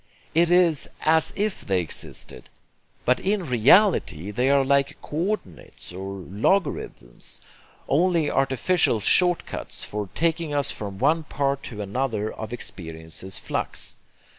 It is AS IF they existed; but in reality they are like co ordinates or logarithms, only artificial short cuts for taking us from one part to another of experience's flux.